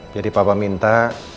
jadi bapak minta